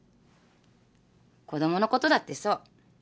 子供のことだってそう。